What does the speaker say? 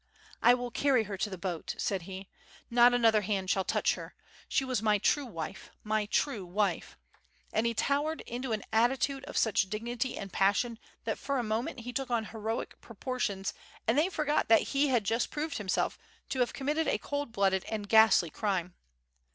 "I will carry her to the boat," said he. "Not another hand shall touch her. She was my true wife, my true wife!" And he towered into an attitude of such dignity and passion that for a moment he took on heroic proportions and they forgot that he had just proved himself to have committed a cold blooded and ghastly crime.